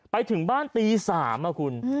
ไปถึงบ้านตี๓คุณ